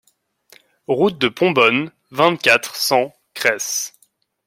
Route de Pombonne, vingt-quatre, cent Creysse